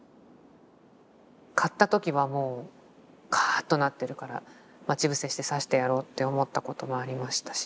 買った時はもうカーッとなってるから待ち伏せして刺してやろうって思ったこともありましたし。